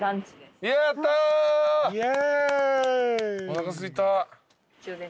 おなかすいた。